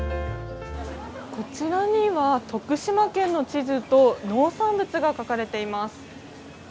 こちらには、徳島県の地図と、農産物が書かれています。